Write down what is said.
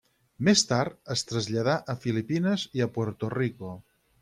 Més tard es traslladà a Filipines i a Puerto Rico.